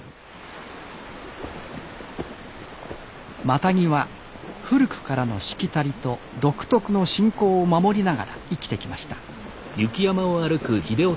マタギは古くからのしきたりと独特の信仰を守りながら生きてきました